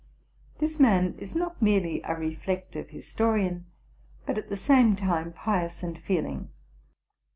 '' This man is not merely a reflective histo rian, but at the same time pious and feeling.